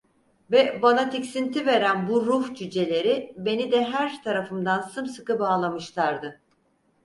Ve bana tiksinti veren bu ruh cüceleri beni de her tarafımdan sımsıkı bağlamışlardı.